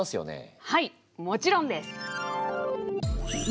はいもちろんです！